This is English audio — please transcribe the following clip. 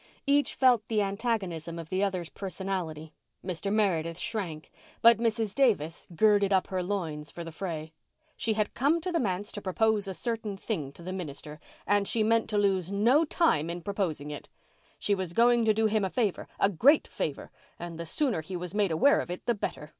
Each felt the antagonisn of the other's personality. Mr. Meredith shrank, but Mrs. Davis girded up her loins for the fray. She had come to the manse to propose a certain thing to the minister and she meant to lose no time in proposing it. She was going to do him a favour—a great favour—and the sooner he was made aware of it the better.